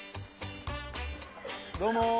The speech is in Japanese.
どうも。